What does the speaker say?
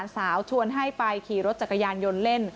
สาวชวนให้ไปขี่รถจักรยานยนต์เล่น